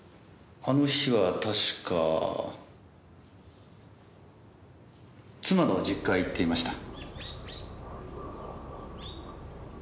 あの日は確か妻の実家へ行っていました。